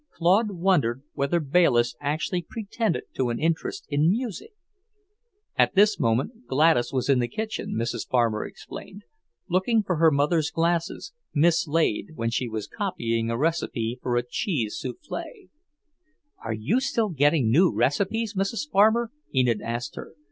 Claude wondered whether Bayliss actually pretended to an interest in music! At this moment Gladys was in the kitchen, Mrs. Farmer explained, looking for her mother's glasses, mislaid when she was copying a recipe for a cheese soufflé. "Are you still getting new recipes, Mrs. Farmer?" Enid asked her.